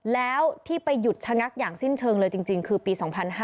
แล้วที่ไปหยุดชะงักอย่างสิ้นเชิงเลยจริงคือปี๒๕๕๙